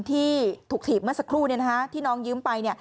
ที่ถูกถีบเมื่อสักครู่ที่น้องยืมไปเนี่ย